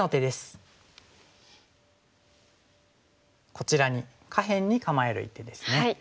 こちらに下辺に構える一手ですね。